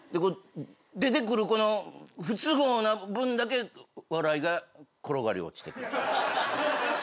出てくるこの不都合な分だけ笑いが転がり落ちてくる。